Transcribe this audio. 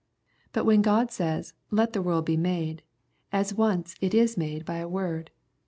But when God says, " Let the world be made," as once, it is made by a word.